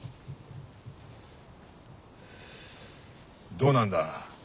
どうなんだ